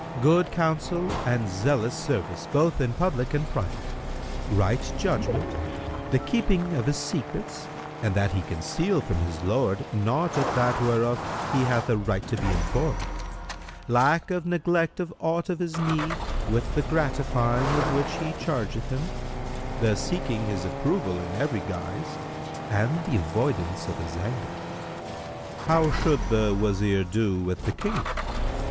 "—"Good counsel and zealous service both in public and private, right judgment, the keeping of his secrets and that he conceal from his lord naught of that whereof he hath a right to be informed, lack of neglect of aught of his need with the gratifying of which he chargeth him, the seeking his approval in every guise, and the avoidance of his anger." Q "How should the Wazir do with the King?"